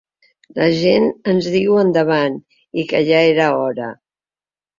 La gent ens diu endavant i que ja era hora.